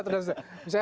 atau belum merusak